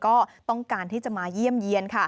ก็ต้องการที่จะมาเยี่ยมเยี่ยน